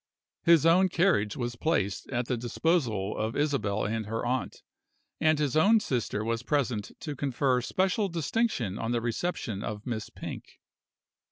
His own carriage was placed at the disposal of Isabel and her aunt; and his own sister was present to confer special distinction on the reception of Miss Pink.